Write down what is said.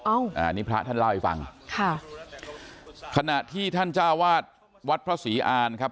อันนี้พระท่านเล่าให้ฟังค่ะขณะที่ท่านเจ้าวาดวัดพระศรีอานครับ